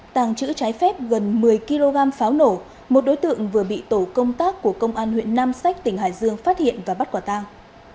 tàng trữ trái phép gần một mươi kg pháo nổ một đối tượng vừa bị tổ công tác của công an huyện nam sách tỉnh hải dương phát hiện và bắt quả tang